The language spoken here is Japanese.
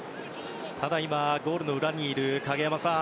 ただゴール裏にいる影山さん